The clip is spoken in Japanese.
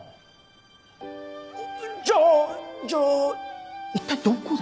じゃあじゃあ一体どこで？